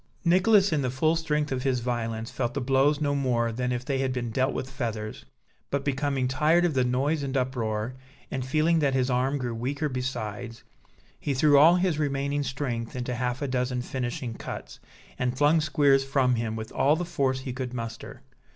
Nicholas, in the full strength of his violence, felt the blows no more than if they had been dealt with feathers; but, becoming tired of the noise and uproar, and feeling that his arm grew weaker besides, he threw all his remaining strength into half a dozen finishing cuts, and flung Squeers from him, with all the force he could muster.